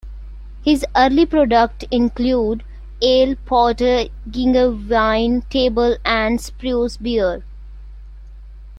His early product included ale, porter, ginger wine, table and spruce beers.